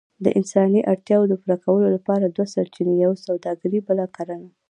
د انساني اړتياوو د پوره کولو لپاره دوه سرچينې، يوه سووداګري بله کرنه.